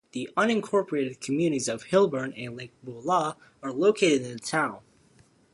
The unincorporated communities of Hilburn and Lake Beulah are located in the town.